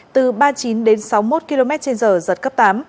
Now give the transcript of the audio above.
từ ba mươi chín đến sáu mươi một km trên giờ giật cấp tám